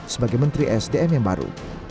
sebagai menteri sdm yang baru